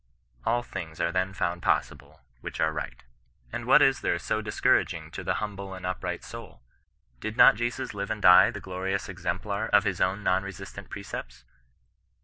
All things are then found possible, which are right And what is there so discouraging to the humble and upright soul ? Did not Jesus live and die the ^orious exemplar of his own non resistant precepts?